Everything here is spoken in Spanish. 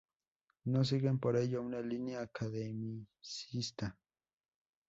No siguen, por ello, una línea academicista.